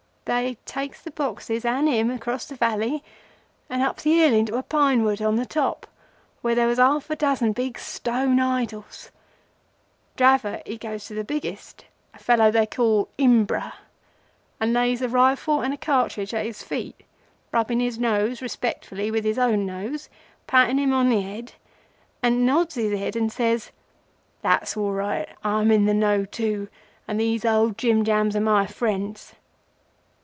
They takes the boxes and him across the valley and up the hill into a pine wood on the top, where there was half a dozen big stone idols. Dravot he goes to the biggest—a fellow they call Imbra—and lays a rifle and a cartridge at his feet, rubbing his nose respectful with his own nose, patting him on the head, and saluting in front of it. He turns round to the men and nods his head, and says,—'That's all right. I'm in the know too, and these old jim jams are my friends.